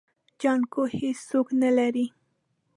جانکو هيڅوک نه لري.